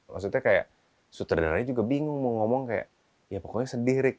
maksudnya kayak sutradaranya juga bingung mau ngomong kayak ya pokoknya sendiri